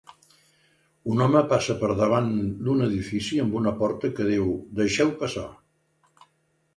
Un home passa per davant d'un edifici amb una porta que diu Deixeu passar